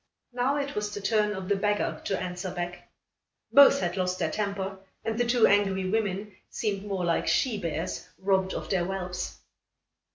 Now, it was the turn of the beggar to answer back. Both had lost their temper, and the two angry women seemed more like she bears robbed of their whelps.